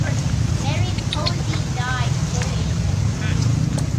However, Mary Posey died four years later.